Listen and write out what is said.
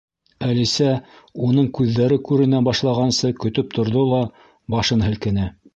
Әлисә уның күҙҙәре күренә башлағансы көтөп торҙо ла, башын һелкене.